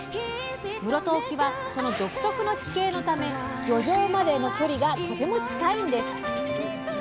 室戸沖はその独特の地形のため漁場までの距離がとても近いんです。